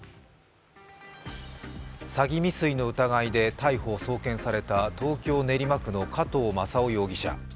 詐欺未遂の疑いで逮捕・送検された東京・練馬区の加藤正夫容疑者。